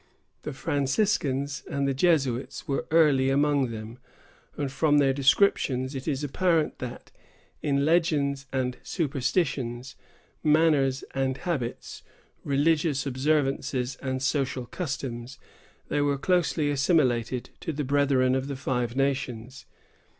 The Franciscans and the Jesuits were early among them, and from their descriptions it is apparent that, in legends and superstitions, manners and habits, religious observances and social customs, they were closely assimilated to their brethren of the Five Nations.